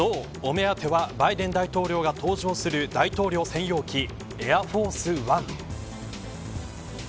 目当てはバイデン大統領が登場する大統領専用機エアフォース・ワン。